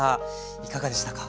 いかがでしたか？